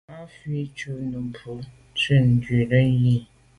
Á wʉ́ Nùmí nɔ́ɔ̀ cúp mbʉ̀ á swɛ́ɛ̀n Nùŋgɛ̀ dí.